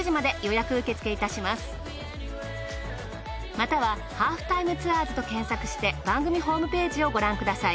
または『ハーフタイムツアーズ』と検索して番組ホームページをご覧ください。